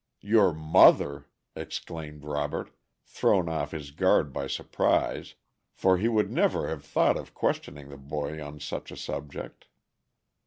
"Your mother!" exclaimed Robert, thrown off his guard by surprise, for he would never have thought of questioning the boy on such a subject.